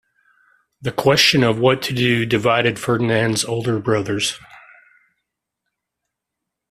The question of what to do divided Ferdinand's older brothers.